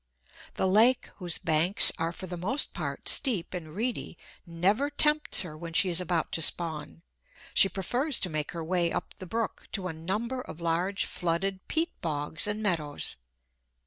The lake, whose banks are for the most part steep and reedy, never tempts her when she is about to spawn. She prefers to make her way up the brook to a number of large flooded peat bogs and meadows.